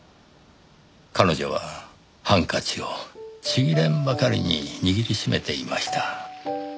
彼女はハンカチをちぎれんばかりに握りしめていました。